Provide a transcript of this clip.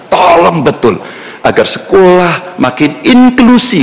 tolong betul agar sekolah makin inklusi